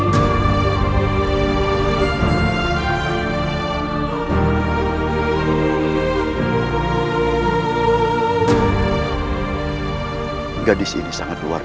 tidak ada yang bisa diberi